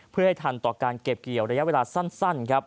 เพื่อให้ทันต่อการเก็บเกี่ยวระยะเวลาสั้น